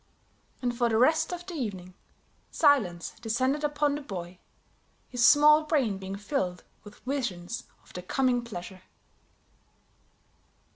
And, for the rest of the evening, silence descended upon the boy, his small brain being filled with visions of the coming pleasure.